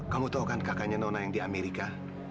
kamu tau kan kakaknya nona yang di amerika